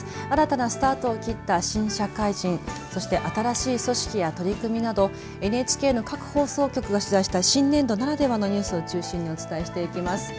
新たなスタートをきった新社会人そして新しい組織や取り組みなどＮＨＫの各放送局が取材した新年度ならではのニュースを中心にお伝えしていきます。